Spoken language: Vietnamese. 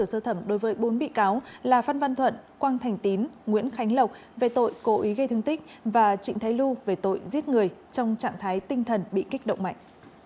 các sơ thẩm đối với bốn bị cáo là phan văn thuận quang thành tín nguyễn khánh lộc về tội cố ý gây thương tích và trịnh thái lu về tội giết người trong trạng thái tinh thần bị kích động mạnh